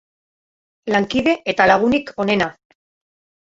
Lankide eta lagunik onena.